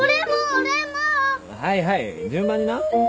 はいはい順番にな。